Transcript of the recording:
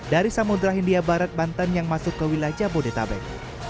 dari samudera hindia barat banten yang masuk ke wilayah jabodetabek